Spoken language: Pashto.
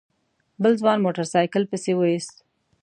بل ځوان موټر سايکل پسې ويست.